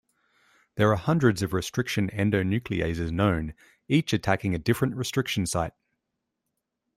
There are hundreds of restriction endonucleases known, each attacking a different restriction site.